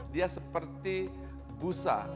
dia seperti busa